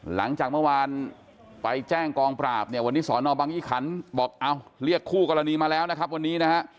หลังจากเมื่อวานไปแจ้งกองปราบเนี่ยวันนี้สอนอบังยี่ขันบอกเอ้าเรียกคู่กรณีมาแล้วนะครับวันนี้นะฮะ